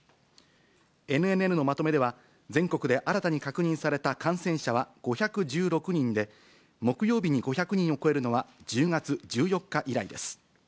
ＮＮＮのまとめでは、全国で新たに確認された感染者は５１６人で、木曜日に５００人を超えるのは、１０月１４日以来です。